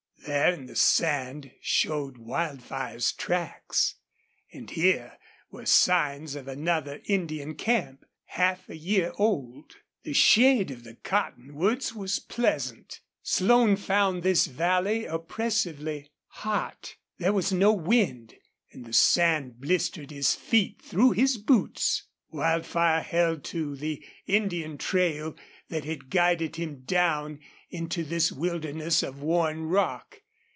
There in the sand showed Wildfire's tracks. And here were signs of another Indian camp, half a year old. The shade of the cottonwoods was pleasant. Slone found this valley oppressively hot. There was no wind and the sand blistered his feet through his boots. Wildfire held to the Indian trail that had guided him down into this wilderness of worn rock.